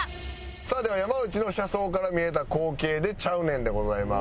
さあでは山内の「車窓から見えた光景でちゃうねん」でございます。